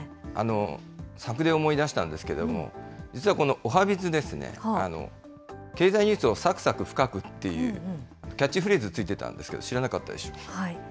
さくで思い出したんですけれども、実はこのおはＢｉｚですね、経済ニュースをさくさく深くっていうキャッチフレーズついてたんはい。